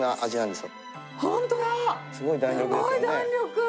すごい弾力。